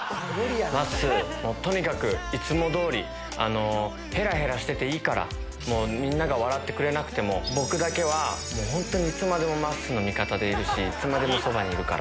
まっすー、もうとにかくいつもどおり、へらへらしてていいから、もうみんなが笑ってくれなくても、僕だけはもう本当に、いつまでもまっすーの味方でいるし、いつまでもそばにいるから。